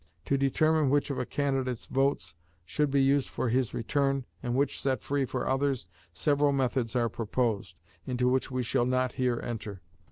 To determine which of a candidate's votes should be used for his return, and which set free for others, several methods are proposed, into which we shall not here enter.